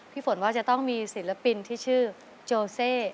ฝนว่าจะต้องมีศิลปินที่ชื่อโจเซ